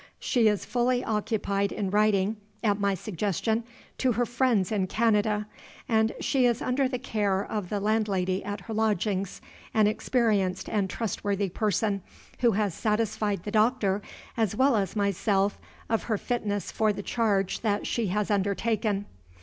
She is fully occupied in writing (at my suggestion) to her friends in Canada; and she is under the care of the landlady at her lodgings an experienced and trustworthy person, who has satisfied the doctor as well as myself of her fitness for the charge that she has undertaken.